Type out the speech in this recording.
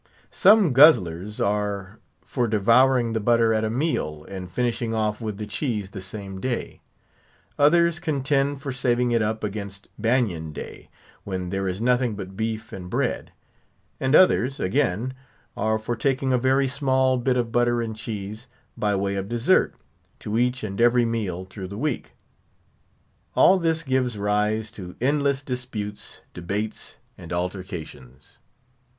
Some guzzlers are for devouring the butter at a meal, and finishing off with the cheese the same day; others contend for saving it up against Banyan Day, when there is nothing but beef and bread; and others, again, are for taking a very small bit of butter and cheese, by way of dessert, to each and every meal through the week. All this gives rise to endless disputes, debates, and altercations.